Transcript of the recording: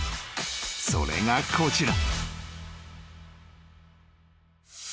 ［それがこちら］